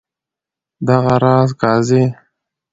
دغه راز قاضي.